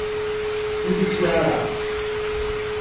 Ibitiara